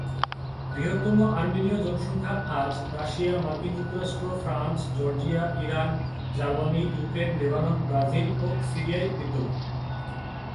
বৃহত্তম আর্মেনীয় জনসংখ্যা আজ রাশিয়া, মার্কিন যুক্তরাষ্ট্র, France, Georgia, Iran, Germany, Ukraine, Lebanon, Brazil ও সিরিয়ায় বিদ্যমান।